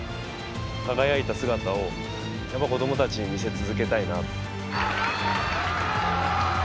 輝いた姿を、子どもたちに見せ続けたいな。